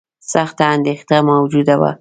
سخته اندېښنه موجوده وه.